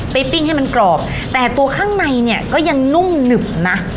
ปิ้งให้มันกรอบแต่ตัวข้างในเนี่ยก็ยังนุ่มหนึบนะ